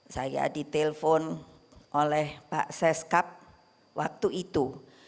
saya ditelepon oleh pak seskap waktu itu